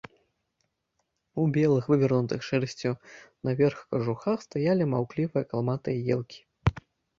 У белых вывернутых шэрсцю наверх кажухах стаялі маўклівыя калматыя елкі.